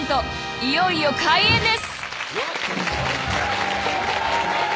［いよいよ開演です］